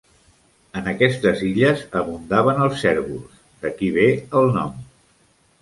En aquestes illes abundaven els cérvols, d'aquí ve el nom.